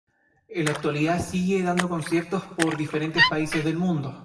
En la actualidad sigue dando conciertos por diferentes paises del mundo.